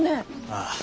ああ。